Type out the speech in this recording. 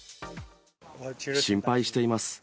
心配しています。